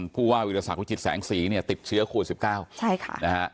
ผู้ว่าวิทยาศาสตร์คุณจิตแสงศรีติดเชื้อโควิด๑๙